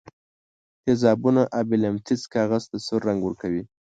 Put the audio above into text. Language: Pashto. تیزابونه آبي لتمس کاغذ ته سور رنګ ورکوي.